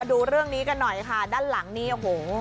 ดูเรื่องนี้กันหน่อยค่ะด้านหลังนี้โอ้โห